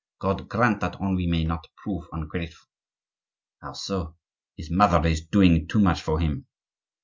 God grant that Henri may not prove ungrateful." "How so?" "His mother is doing too much for him."